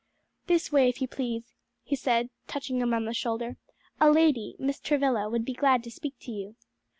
"This way, if you please," he said, touching him on the shoulder; "a lady, Miss Travilla, would be glad to speak to you."